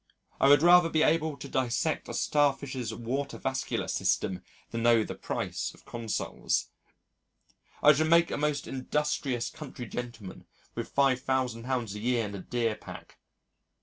I would rather be able to dissect a star fish's water vascular system than know the price of Consols. I should make a most industrious country gentleman with £5,000 a year and a deer park....